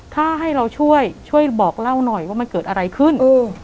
ถ้าให้เราช่วยช่วยบอกเล่าหน่อยว่ามันเกิดอะไรขึ้น